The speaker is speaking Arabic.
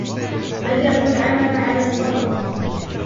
بدأوا العمل على الفور.